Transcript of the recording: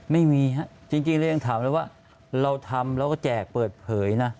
ไม่มีฮะจริงเรายังถามเลยว่าเราทำเราก็แจกเปิดเผยนะ